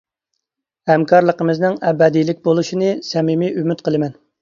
ھەمكارلىقىمىزنىڭ ئەبەدىيلىك بولۇشىنى سەمىمىي ئۈمىد قىلىمەن.